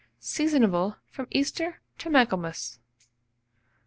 Seasonable from Easter to Michaelmas.